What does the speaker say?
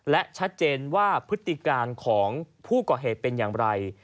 และชัดเจนว่าพฤติการของผู้ก่อเหตุเป็นอย่างไร